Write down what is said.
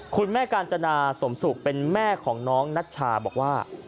คุณแม่กาญจนาสมสุขเป็นแม่ของน้องนัชชาบอกว่า